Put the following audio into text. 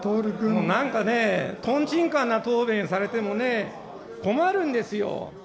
もうなんかね、とんちんかんな答弁されてもね、困るんですよ。